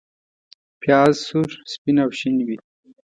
پیاز سور، سپین او شین وي